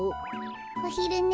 おひるね。